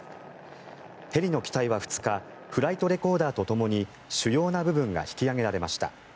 ヘリの機体は２日フライトレコーダーとともに主要な部分が引き揚げられました。